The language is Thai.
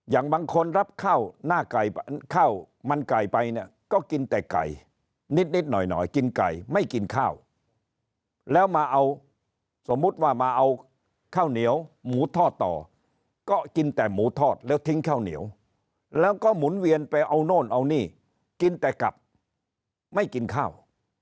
อย่างบางคนรับข้าวหน้าข้าวมันไก่ไปเนี่ยก็กินแต่ไก่นิดหน่อยกินไก่ไม่กินข้าวแล้วมาเอาสมมุติว่ามาเอาข้าวเหนียวหมูทอดต่อก็กินแต่หมูทอดแล้วทิ้งข้าวเหนียวแล้วก็หมุนเวียนไปเอาโน่นเอานี่กินแต่กลับไม่กินข้าว